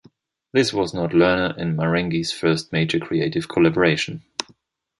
This was not Learner and Marenghi's first major creative collaboration.